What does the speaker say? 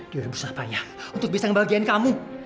dia udah berusaha banyak untuk bisa ngebahagiain kamu